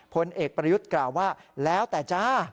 ผลเอกประยุทธ์กล่าวว่าแล้วแต่จ้า